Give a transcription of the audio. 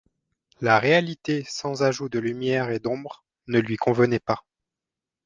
La réalité sans ajout de lumière et d'ombre ne lui convenait pas.